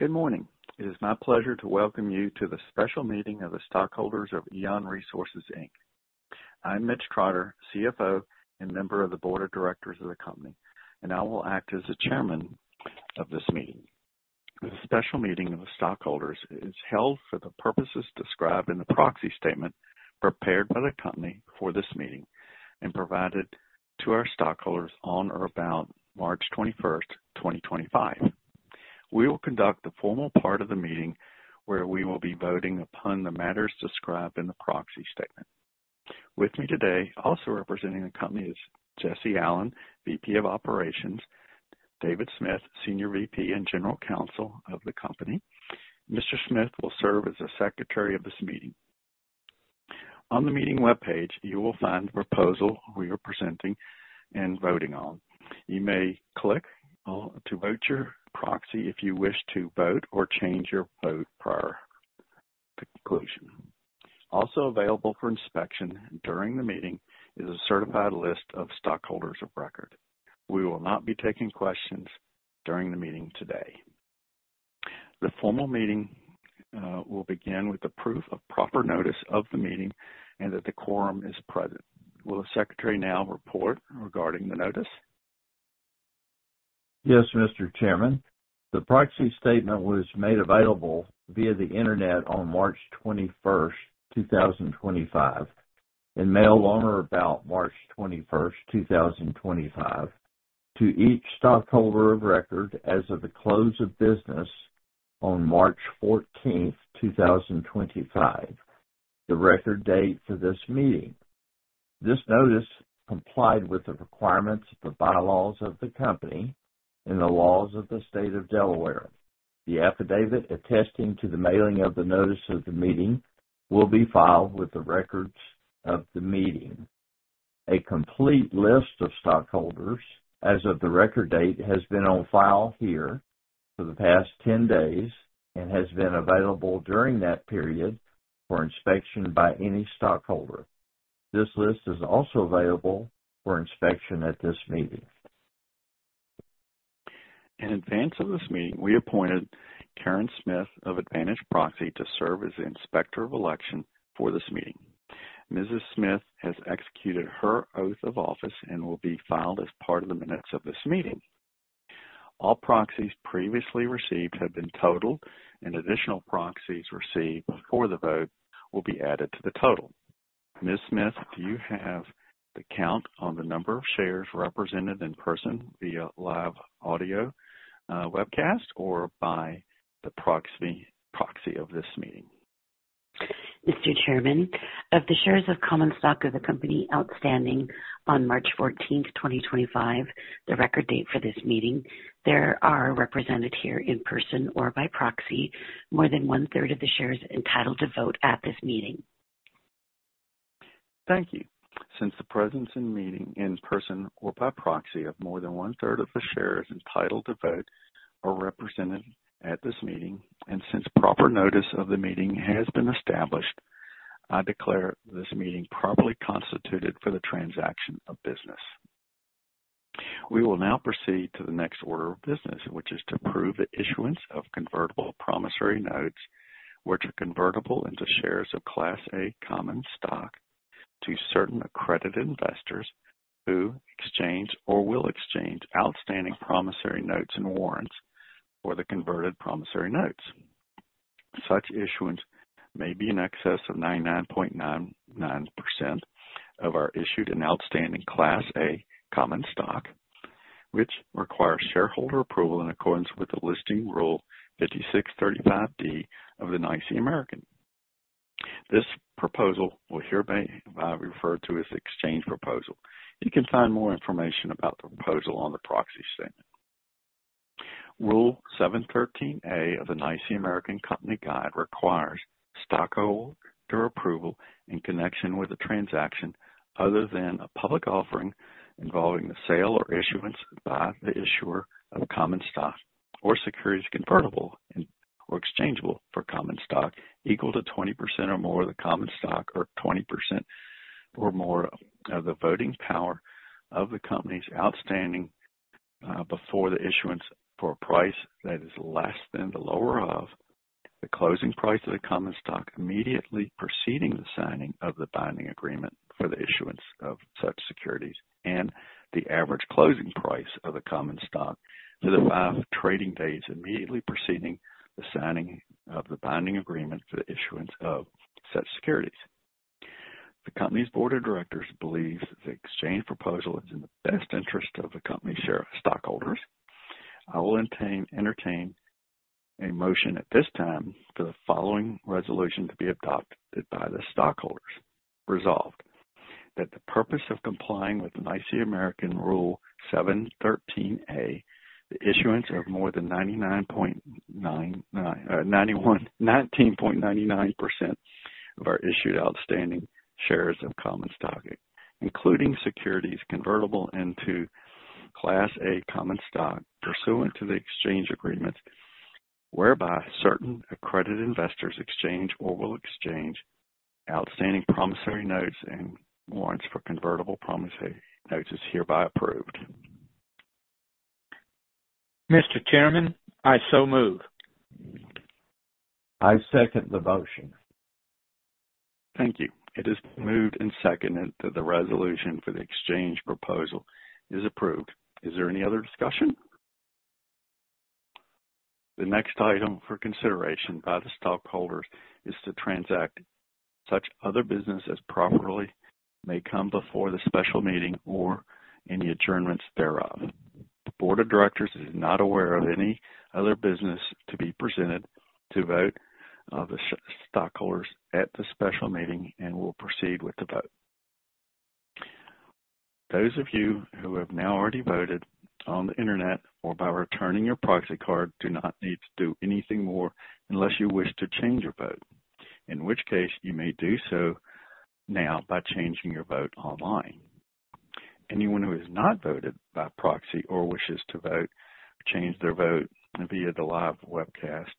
Good morning. It is my pleasure to welcome you to the special meeting of the stockholders of EON Resources Inc. I'm Mitch Trotter, CFO and member of the board of directors of the company, and I will act as the chairman of this meeting. The special meeting of the stockholders is held for the purposes described in the proxy statement prepared by the company for this meeting and provided to our stockholders on or about March 21, 2025. We will conduct the formal part of the meeting where we will be voting upon the matters described in the proxy statement. With me today, also representing the company is Jesse Allen, VP of Operations; David Smith, Senior VP and General Counsel of the company. Mr. Smith will serve as the secretary of this meeting. On the meeting web page, you will find the proposal we are presenting and voting on. You may click to vote your proxy if you wish to vote or change your vote prior to conclusion. Also available for inspection during the meeting is a certified list of stockholders of record. We will not be taking questions during the meeting today. The formal meeting will begin with the proof of proper notice of the meeting and that the quorum is present. Will the secretary now report regarding the notice? Yes, Mr. Chairman. The proxy statement was made available via the internet on March 21st, 2025, and mailed on or about March 21st, 2025, to each stockholder of record as of the close of business on March 14th, 2025, the record date for this meeting. This notice complied with the requirements of the bylaws of the company and the laws of the state of Delaware. The affidavit attesting to the mailing of the notice of the meeting will be filed with the records of the meeting. A complete list of stockholders as of the record date has been on file here for the past 10 days and has been available during that period for inspection by any stockholder. This list is also available for inspection at this meeting. In advance of this meeting, we appointed Karen Smith of Advantage Proxy to serve as the inspector of election for this meeting. Mrs. Smith has executed her oath of office and will be filed as part of the minutes of this meeting. All proxies previously received have been totaled, and additional proxies received before the vote will be added to the total. Ms. Smith, do you have the count on the number of shares represented in person via live audio webcast or by the proxy of this meeting? Mr. Chairman, of the shares of common stock of the company outstanding on March 14, 2025, the record date for this meeting, there are represented here in person or by proxy more than one-third of the shares entitled to vote at this meeting. Thank you. Since the presence in meeting in person or by proxy of more than one-third of the shares entitled to vote are represented at this meeting, and since proper notice of the meeting has been established, I declare this meeting properly constituted for the transaction of business. We will now proceed to the next order of business, which is to approve the issuance of convertible promissory notes, which are convertible into shares of Class A common stock to certain accredited investors who exchange or will exchange outstanding promissory notes and warrants for the converted promissory notes. Such issuance may be in excess of 99.99% of our issued and outstanding Class A common stock, which requires shareholder approval in accordance with the Listing Rule 5635(d) of the NYSE American. This proposal will here be referred to as the exchange proposal. You can find more information about the proposal on the proxy statement. Rule 713(a) of the NYSE American Company Guide requires stockholder approval in connection with a transaction other than a public offering involving the sale or issuance by the issuer of common stock or securities convertible or exchangeable for common stock equal to 20% or more of the common stock or 20% or more of the voting power of the company's outstanding before the issuance for a price that is less than the lower of the closing price of the common stock immediately preceding the signing of the binding agreement for the issuance of such securities and the average closing price of the common stock for the five trading days immediately preceding the signing of the binding agreement for the issuance of such securities. The company's board of directors believes the exchange proposal is in the best interest of the company's stockholders. I will entertain a motion at this time for the following resolution to be adopted by the stockholders. Resolved that for the purpose of complying with NYSE American Rule 713(a), the issuance of more than 19.99% of our issued and outstanding shares of common stock, including securities convertible into Class A common stock pursuant to the exchange agreements whereby certain accredited investors exchange or will exchange outstanding promissory notes and warrants for convertible promissory notes, is hereby approved. Mr. Chairman, I so move. I second the motion. Thank you. It is moved and seconded that the resolution for the exchange proposal is approved. Is there any other discussion? The next item for consideration by the stockholders is to transact such other business as properly may come before the special meeting or any adjournments thereof. The board of directors is not aware of any other business to be presented to vote of the stockholders at the special meeting and will proceed with the vote. Those of you who have now already voted on the internet or by returning your proxy card do not need to do anything more unless you wish to change your vote, in which case you may do so now by changing your vote online. Anyone who has not voted by proxy or wishes to vote or change their vote via the live webcast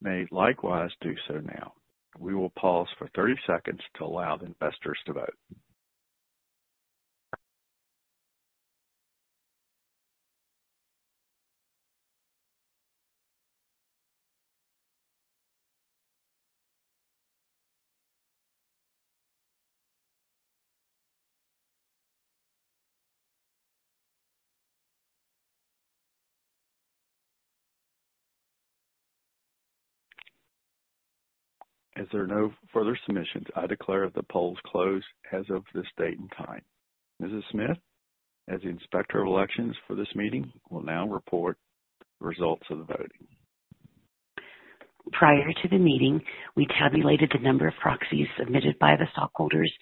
may likewise do so now. We will pause for 30 seconds to allow the investors to vote. As there are no further submissions, I declare that the polls close as of this date and time. Mrs. Smith, as the inspector of elections for this meeting, will now report the results of the voting. Prior to the meeting, we tabulated the number of proxies submitted by the stockholders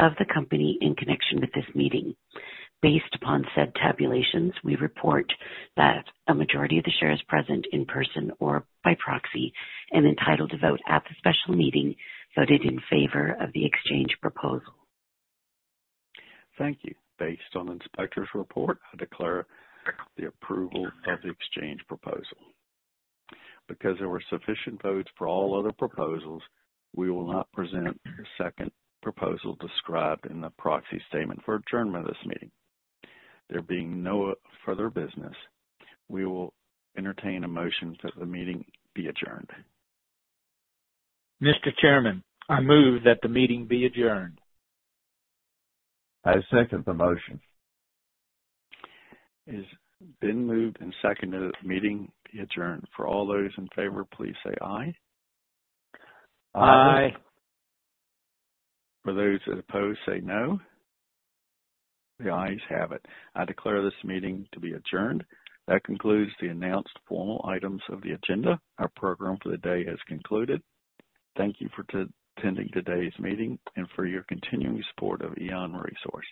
of the company in connection with this meeting. Based upon said tabulations, we report that a majority of the shares present in person or by proxy and entitled to vote at the special meeting voted in favor of the exchange proposal. Thank you. Based on the inspector's report, I declare the approval of the exchange proposal. Because there were sufficient votes for all other proposals, we will not present the second proposal described in the proxy statement for adjournment of this meeting. There being no further business, we will entertain a motion that the meeting be adjourned. Mr. Chairman, I move that the meeting be adjourned. I second the motion. It has been moved and seconded that the meeting be adjourned. For all those in favor, please say aye. Aye. For those opposed, say no. The ayes have it. I declare this meeting to be adjourned. That concludes the announced formal items of the agenda. Our program for the day has concluded. Thank you for attending today's meeting and for your continuing support of EON Resources.